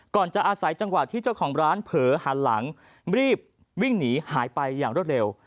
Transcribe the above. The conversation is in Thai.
ก่อนจะอาศัยจังหวะที่เจ้าของร้านเผลอหันหลังรีบวิ่งหนีหายไปอย่างรวดเร็ว